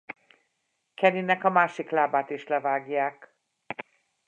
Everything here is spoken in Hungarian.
Kennynek a másik lábát is levágják.